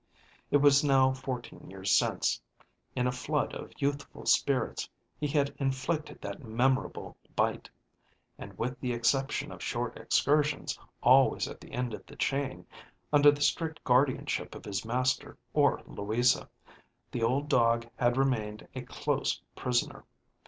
It was now fourteen years since, in a flood of youthful spirits, he had inflicted that memorable bite, and with the exception of short excursions, always at the end of the chain, under the strict guardianship of his master or Louisa, the old dog had remained a close prisoner.